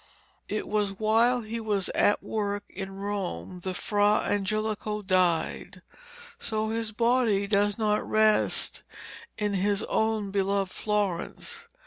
It was while he was at work in Rome that Fra Angelico died, so his body does not rest in his own beloved Florence.